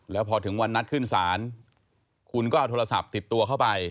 แล้วพอถึงวันนัดขึ้นศาลคุณก็เอาโทรศัพท์ติดตัวเข้าไป